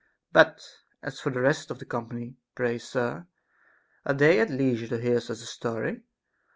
' But as for the rest of the company, pray sir, are they at leisure to hear such a story